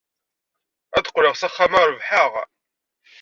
Ad d-qqleɣ s axxam-a rebḥeɣ!